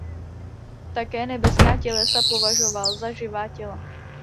Také nebeská tělesa považoval za živá těla.